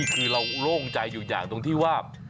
คือเราโล่งใจอยู่อย่างตรงที่ว่า